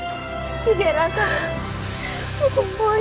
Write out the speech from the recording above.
tidak raka aku mohon